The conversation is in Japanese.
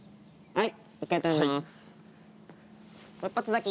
はい。